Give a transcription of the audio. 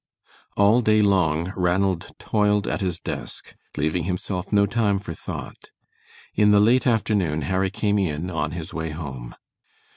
All day long Ranald toiled at his desk, leaving himself no time for thought. In the late afternoon Harry came in on his way home.